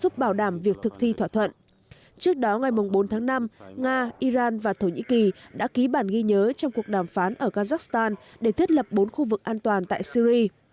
trước đó ngày bốn tháng năm nga iran và thổ nhĩ kỳ đã ký bản ghi nhớ trong cuộc đàm phán ở kazakhstan để thiết lập bốn khu vực an toàn tại syri